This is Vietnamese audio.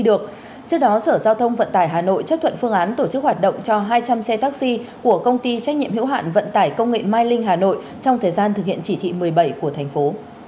trước đó sở giao thông vận tải hà nội chấp thuận phương án tổ chức hoạt động cho hai trăm linh xe taxi của công ty trách nhiệm hữu hạn vận tải công nghệ mai linh hà nội trong thời gian thực hiện chỉ thị một mươi bảy của thành phố